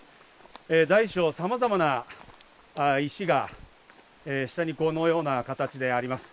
大小さまざまな石が下にこのような形であります。